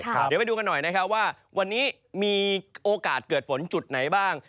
เดี๋ยวไปดูกันหน่อยนะครับว่าวันนี้มีโอกาสเกิดฝนจุดไหนบ้าง